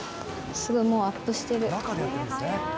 すごい、もうアップしてる。